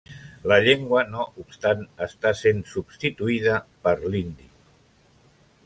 La llengua no obstant està sent substituïda per l'hindi.